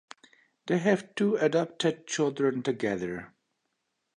They have two adopted children together.